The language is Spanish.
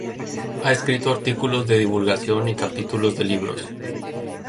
Ha escrito artículos de divulgación y capítulos de libros.